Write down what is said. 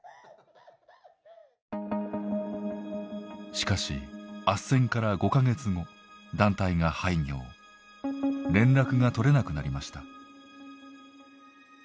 しかしあっせんから５か月後団体が廃業連絡がとれなくなりました。